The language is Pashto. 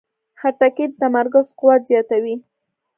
خټکی د تمرکز قوت زیاتوي.